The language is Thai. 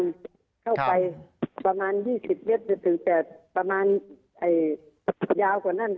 มันเข้าไปประมาณ๒๐เมตรจะถึงแต่ประมาณยาวกว่านั้น